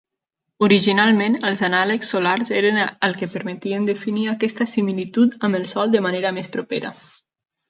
Originalment, els anàlegs solars eren el que permetien definir aquesta similitud amb el sol de manera més propera.